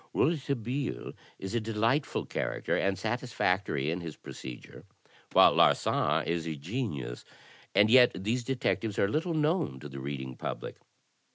Rouletabille is a delightful character and satisfactory in his procedure, while Larsan is a genius. And yet these detectives are little known to the reading public.